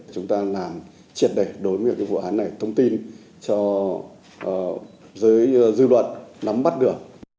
chúng ta làm triệt đề đối với vụ án này thông tin cho dư luận nắm bắt được